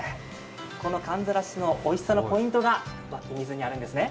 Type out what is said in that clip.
このかんざらしのおいしさのポイントが湧き水にあるんですね。